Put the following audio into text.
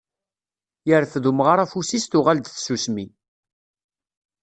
Yerfed umɣar afus-is tuɣal-d tsusmi.